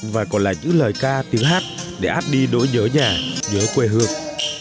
và còn lại những lời ca tiếng hát để áp đi nỗi nhớ nhà nhớ quê hương